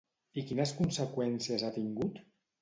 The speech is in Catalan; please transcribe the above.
I quines conseqüències ha tingut?